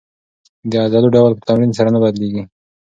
د عضلو ډول په تمرین سره نه بدلېږي.